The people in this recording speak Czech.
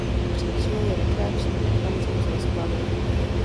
Příčinou je reakční mechanismus rozkladu.